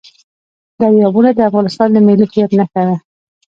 دریابونه د افغانستان د ملي هویت نښه ده.